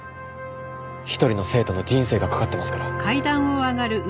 一人の生徒の人生がかかってますから。